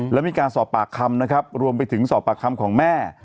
แล้วมีการสอบปากคำนะครับรวมไปถึงสอบปากคำของแม่